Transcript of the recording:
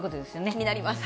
気になります。